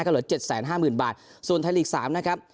ก็เหลือเจ็ดแสนห้าหมื่นบาทส่วนไทยลีก๓นะครับ